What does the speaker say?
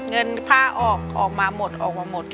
เงินค่าออกมาหมดออกมาหมด